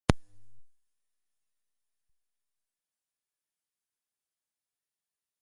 Eventually, King T requested a release from the label.